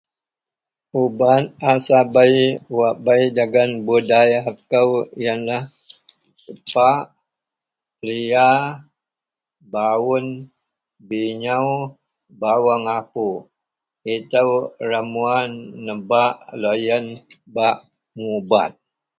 Ubat a sabei wak bei dagen budayakou yenlah, speak, liya, baun, binyou, bawuong apuk. Itou ramuan nebak loyen bak mubat